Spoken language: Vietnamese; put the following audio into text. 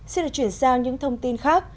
xin được chuyển sang những thông tin khác